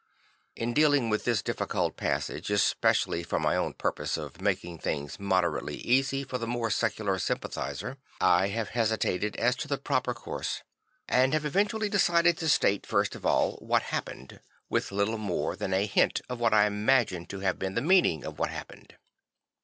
In dealing with this difficult passage, especially for my own purpose of making things moderately easy for the more secular sympathiser, I have hesitated as to the proper course; and have eventually decided to state first of all what happened, with little more than a hint of what I imagine to have been the meaning of what happened.